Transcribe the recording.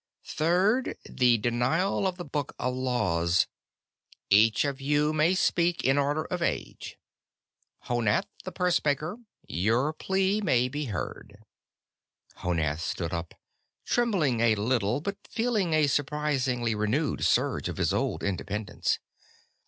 Third, the denial of the Book of Laws. Each of you may speak in order of age. Honath the Pursemaker, your plea may be heard." Honath stood up, trembling a little, but feeling a surprisingly renewed surge of his old independence.